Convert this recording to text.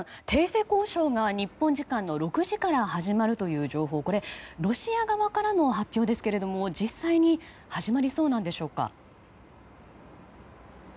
停戦交渉が日本時間の６時から始まるという情報はロシア側からの発表ですけれども実際に始まりそうなんでしょうか。